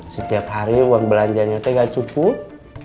setiap hari uang belanja nya gak cukup